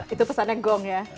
itu pesannya gong ya